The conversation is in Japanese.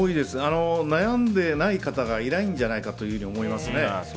悩んでない方がいないんじゃないかと思います。